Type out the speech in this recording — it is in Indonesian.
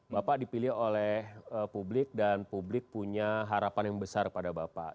bapak dipilih oleh publik dan publik punya harapan yang besar pada bapak